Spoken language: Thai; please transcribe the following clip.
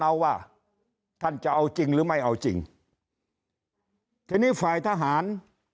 เอาว่าท่านจะเอาจริงหรือไม่เอาจริงทีนี้ฝ่ายทหาร